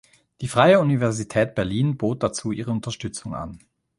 Die Freie Universität Berlin bot dazu ihre Unterstützung an.